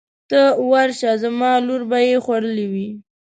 ته ورشه زما لور به یې خوړلې وي.